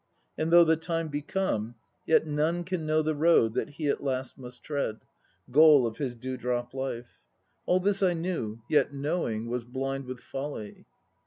2 And though the time be come, Yet can none know the road that he at last must tread, Goal of his dewdrop life. All this I knew; yet knowing, Was blind with folly.